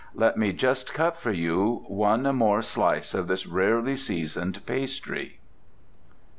Let me just cut for you one more slice of this rarely seasoned pastry.